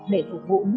để phục vụ